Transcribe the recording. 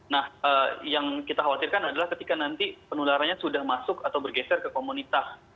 nah yang kita khawatirkan adalah ketika nanti penularannya sudah masuk atau bergeser ke komunitas